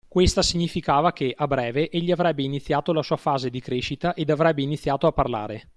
Questa significava che, a breve, egli avrebbe iniziato la sua fase di crescita ed avrebbe iniziato a parlare.